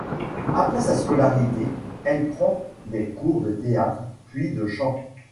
Après sa scolarité, elle prend des cours de théâtre puis de chant.